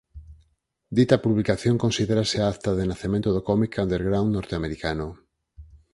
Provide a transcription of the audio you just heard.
Dita publicación considérase a acta de nacemento do cómic underground norteamericano.